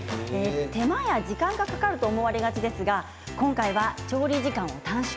手間や時間がかかると思われがちですが今回は調理時間を短縮。